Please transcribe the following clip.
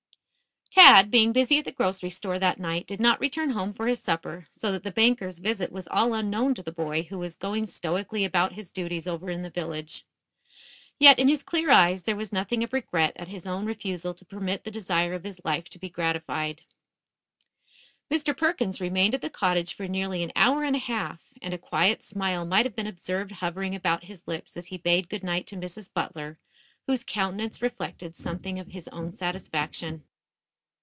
Tad, being busy at the grocery store that night, did not return home for his supper, so that the banker's visit was all unknown to the boy who was going stoically about his duties over in the village. Yet, in his clear eyes there was nothing of regret at his own refusal to permit the desire of his life to be gratified. Mr. Perkins remained at the cottage for nearly an hour and a half, and a quiet smile might have been observed hovering about his lips as he bade good night to Mrs. Butler, whose countenance reflected something of his own satisfaction.